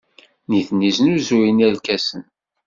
Nitni snuzuyen irkasen.